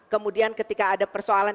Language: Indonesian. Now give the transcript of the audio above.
kemudian ketika ada persoalan